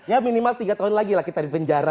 ya minimal tiga tahun lagi lah kita di penjara